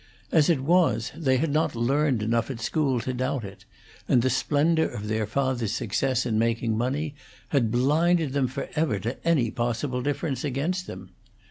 As it was, they had not learned enough at school to doubt it, and the splendor of their father's success in making money had blinded them forever to any possible difference against them.